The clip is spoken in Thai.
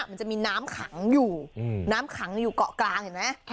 มันจะมีน้ำขังอยู่น้ำขังอยู่เกาะกลางเห็นไหม